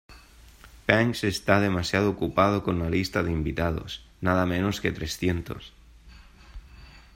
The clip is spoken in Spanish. Banks está demasiado ocupado con la lista de invitados, nada menos que trescientos.